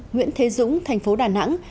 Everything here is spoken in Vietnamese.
nguyễn thế dũng thành phố đà nẵng